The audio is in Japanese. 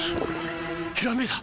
ひらめいた！